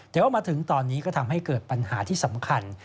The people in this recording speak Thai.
แต่ว่ามาถึงตอนนี้ก็ทำให้เกิดปัญหาที่สำคัญ